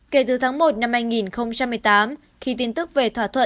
kể từ tháng một năm hai nghìn một mươi tám khi tin tức về thỏa thuận